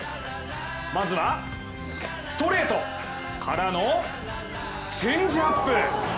まずは、ストレート！からの、チェンジアップ！